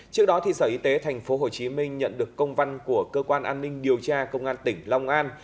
trước đó sở y tế tp hcm nhận được công văn của cơ quan an ninh điều tra công an tỉnh long an